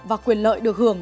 và quyền lợi được hưởng